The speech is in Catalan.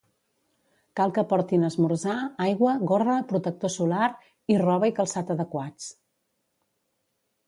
Cal que portin esmorzar, aigua, gorra, protector solar i roba i calçat adequats.